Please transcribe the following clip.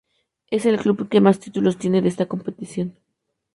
Es el club que más títulos tiene de está competición.